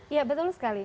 iya betul sekali